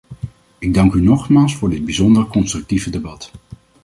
Ik dank u nogmaals voor dit bijzonder constructieve debat.